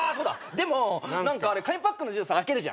でも何かあれ紙パックのジュース開けるじゃん。